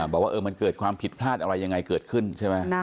บอกว่ามันเกิดความผิดพลาดอะไรยังไงเกิดขึ้นใช่ไหม